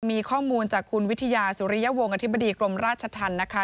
มีข้อมูลจากคุณวิทยาสุริยวงศ์อธิบดีกรมราชธรรมนะคะ